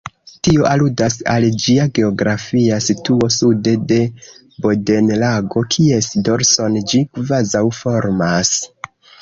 Tio aludas al ĝia geografia situo sude de Bodenlago, kies dorson ĝi kvazaŭ formas.